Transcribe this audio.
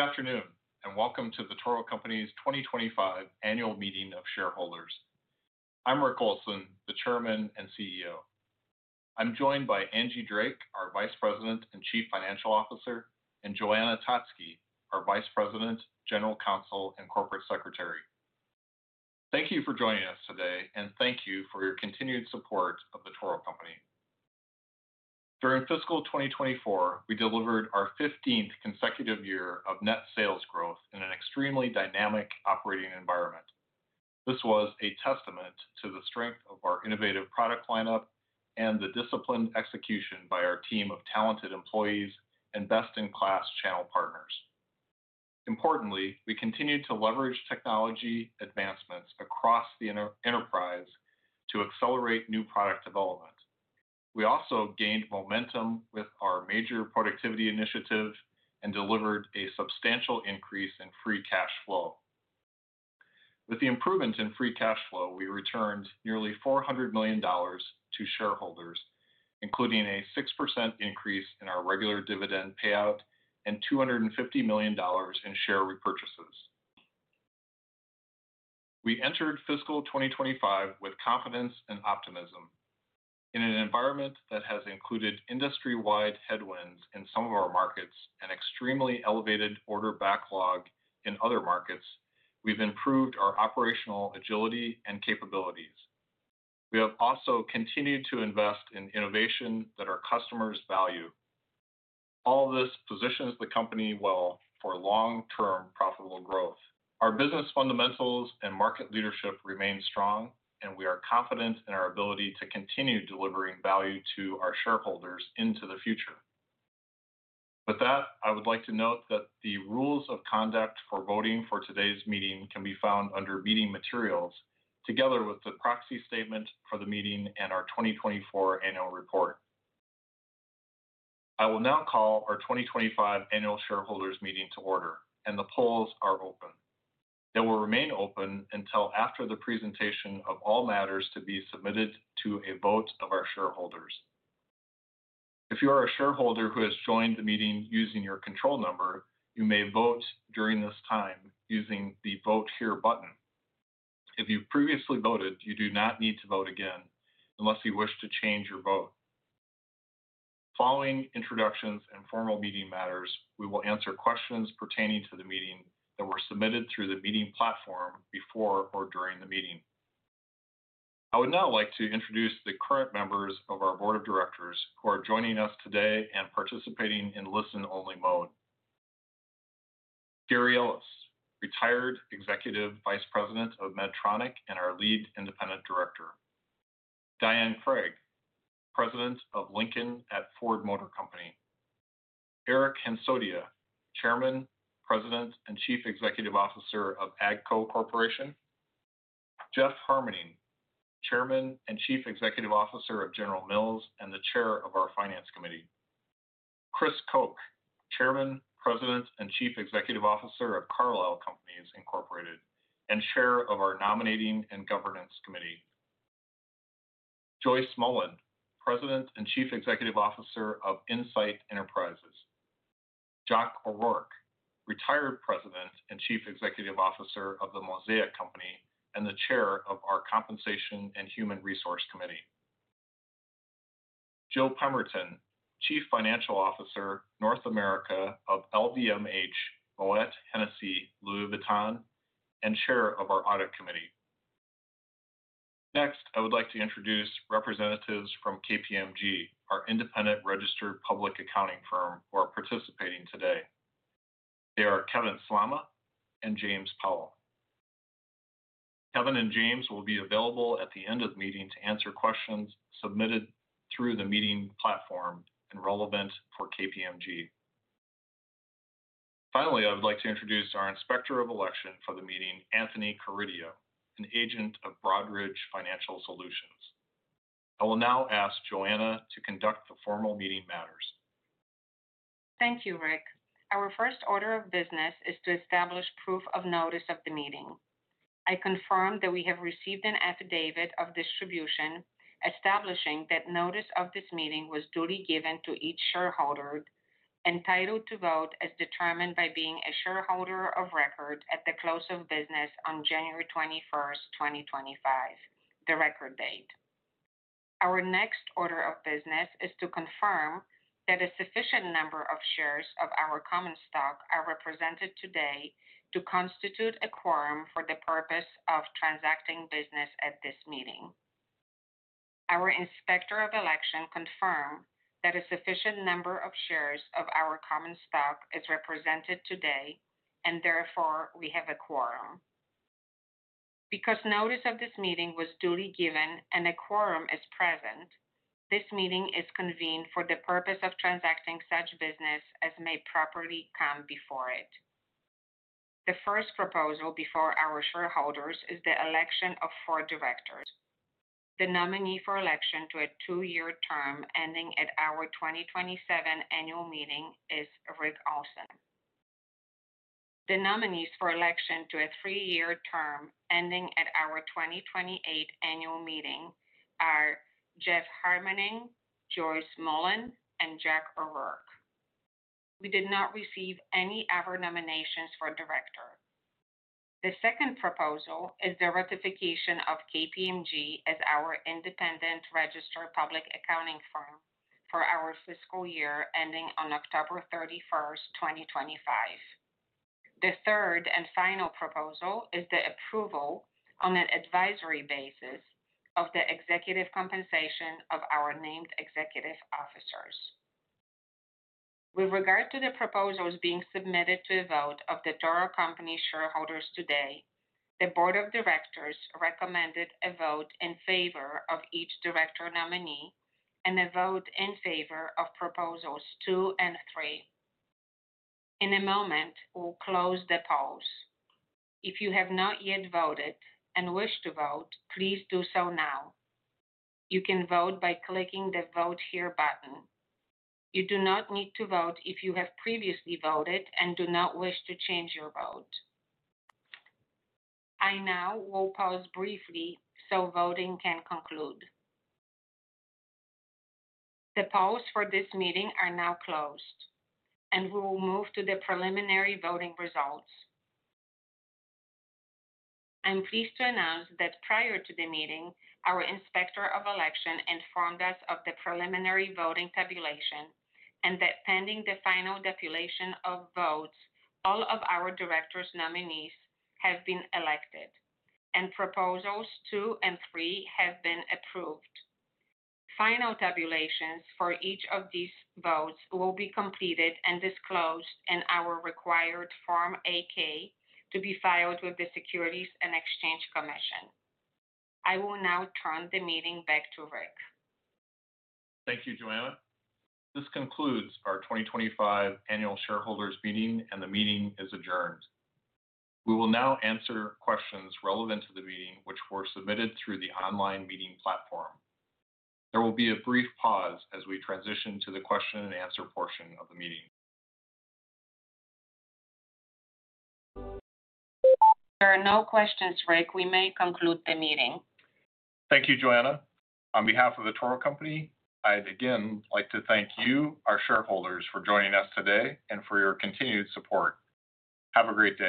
Good afternoon, and welcome to the Toro Company's 2025 Annual Meeting of Shareholders. I'm Rick Olson, the Chairman and CEO. I'm joined by Angie Drake, our Vice President and Chief Financial Officer, and Joanna Torossy, our Vice President, General Counsel, and Corporate Secretary. Thank you for joining us today, and thank you for your continued support of the Toro Company. During fiscal 2024, we delivered our 15th consecutive year of net sales growth in an extremely dynamic operating environment. This was a testament to the strength of our innovative product lineup and the disciplined execution by our team of talented employees and best-in-class channel partners. Importantly, we continued to leverage technology advancements across the enterprise to accelerate new product development. We also gained momentum with our major productivity initiative and delivered a substantial increase in free cash flow. With the improvement in free cash flow, we returned nearly $400 million to shareholders, including a 6% increase in our regular dividend payout and $250 million in share repurchases. We entered fiscal 2025 with confidence and optimism. In an environment that has included industry-wide headwinds in some of our markets and extremely elevated order backlog in other markets, we've improved our operational agility and capabilities. We have also continued to invest in innovation that our customers value. All of this positions the company well for long-term profitable growth. Our business fundamentals and market leadership remain strong, and we are confident in our ability to continue delivering value to our shareholders into the future. With that, I would like to note that the rules of conduct for voting for today's meeting can be found under Meeting Materials, together with the proxy statement for the meeting and our 2024 Annual Report. I will now call our 2025 Annual Shareholders Meeting to order, and the polls are open. They will remain open until after the presentation of all matters to be submitted to a vote of our shareholders. If you are a shareholder who has joined the meeting using your control number, you may vote during this time using the Vote Here button. If you've previously voted, you do not need to vote again unless you wish to change your vote. Following introductions and formal meeting matters, we will answer questions pertaining to the meeting that were submitted through the meeting platform before or during the meeting. I would now like to introduce the current members of our Board of Directors who are joining us today and participating in listen-only mode. Gary Ellis, retired Executive Vice President of Medtronic and our Lead Independent Director. Diane Craig, President of Lincoln at Ford Motor Company. Eric Hansotia, Chairman, President, and Chief Executive Officer of AGCO Corporation. Jeff Harmening, Chairman and Chief Executive Officer of General Mills and the Chair of our Finance Committee. Chris Koch, Chairman, President, and Chief Executive Officer of Carlisle Companies and Chair of our Nominating and Governance Committee. Joyce Mullen, President and Chief Executive Officer of Insight Enterprises. Joc O'Rourke, retired President and Chief Executive Officer of the Mosaic Company and the Chair of our Compensation and Human Resources Committee. Jill Pemberton, Chief Financial Officer, North America of LVMH Moët Hennessy Louis Vuitton and Chair of our Audit Committee. Next, I would like to introduce representatives from KPMG, our independent registered public accounting firm who are participating today. They are Kevin Slama and James Powell. Kevin and James will be available at the end of the meeting to answer questions submitted through the meeting platform and relevant for KPMG. Finally, I would like to introduce our Inspector of Election for the meeting, Anthony Carideo, an agent of Broadridge Financial Solutions. I will now ask Joanna to conduct the formal meeting matters. Thank you, Rick. Our first order of business is to establish proof of notice of the meeting. I confirm that we have received an affidavit of distribution establishing that notice of this meeting was duly given to each shareholder entitled to vote as determined by being a shareholder of record at the close of business on January 21, 2025, the record date. Our next order of business is to confirm that a sufficient number of shares of our common stock are represented today to constitute a quorum for the purpose of transacting business at this meeting. Our Inspector of Election confirmed that a sufficient number of shares of our common stock is represented today, and therefore we have a quorum. Because notice of this meeting was duly given and a quorum is present, this meeting is convened for the purpose of transacting such business as may properly come before it. The first proposal before our shareholders is the election of four directors. The nominee for election to a two-year term ending at our 2027 Annual Meeting is Rick Olson. The nominees for election to a three-year term ending at our 2028 Annual Meeting are Jeff Harmening, Joyce Mullen, and Joc O'Rourke. We did not receive any other nominations for director. The second proposal is the ratification of KPMG as our independent registered public accounting firm for our fiscal year ending on October 31, 2025. The third and final proposal is the approval on an advisory basis of the executive compensation of our named executive officers. With regard to the proposals being submitted to a vote of the Toro Company shareholders today, the Board of Directors recommended a vote in favor of each director nominee and a vote in favor of proposals two and three. In a moment, we'll close the polls. If you have not yet voted and wish to vote, please do so now. You can vote by clicking the Vote Here button. You do not need to vote if you have previously voted and do not wish to change your vote. I now will pause briefly so voting can conclude. The polls for this meeting are now closed, and we will move to the preliminary voting results. I'm pleased to announce that prior to the meeting, our Inspector of Election informed us of the preliminary voting tabulation and that pending the final tabulation of votes, all of our directors' nominees have been elected, and proposals two and three have been approved. Final tabulations for each of these votes will be completed and disclosed in our required Form 8-K to be filed with the Securities and Exchange Commission. I will now turn the meeting back to Rick. Thank you, Joanna. This concludes our 2025 Annual Shareholders Meeting, and the meeting is adjourned. We will now answer questions relevant to the meeting which were submitted through the online meeting platform. There will be a brief pause as we transition to the question-and-answer portion of the meeting. There are no questions, Rick. We may conclude the meeting. Thank you, Joanna. On behalf of the Toro Company, I'd again like to thank you, our shareholders, for joining us today and for your continued support. Have a great day.